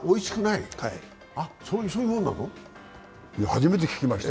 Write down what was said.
いや、初めて聞きました。